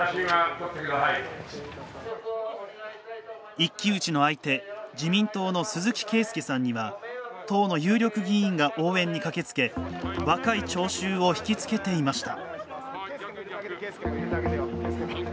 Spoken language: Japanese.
一騎打ちの相手、自民党の鈴木馨祐さんには党の有力議員が応援に駆けつけ若い聴衆をひきつけていました。